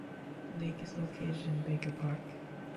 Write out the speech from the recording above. The lake is located in Baker park.